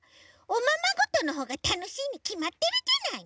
おままごとのほうがたのしいにきまってるじゃない！